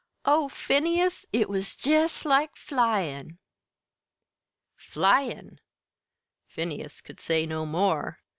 "Oh, Phineas, it was jest like flyin'!" "'Flyin'!'" Phineas could say no more.